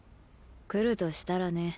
来るとしたらね。